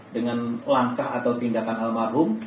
dengan langkah atau tindakan almarhum